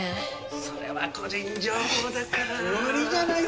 それは個人情報だから無理じゃ？